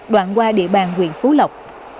đoạn qua địa bàn huyện phú lộc